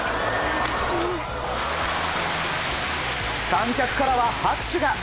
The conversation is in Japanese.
観客からは拍手が。